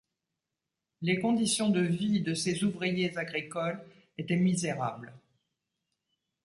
Les conditions de vie de ces ouvriers agricoles étaient misérables.